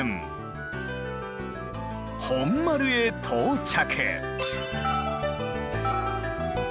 本丸へ到着。